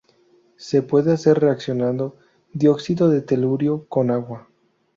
Se puede hacer reaccionando dióxido de telurio con agua.